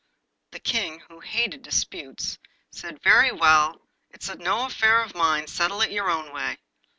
The King, who hated disputes, said, 'Very well, it's no affair of mine, settle it your own way.